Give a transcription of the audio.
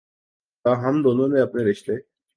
تاہم دونوں نے اپنے رشتے